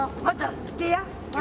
また来てや！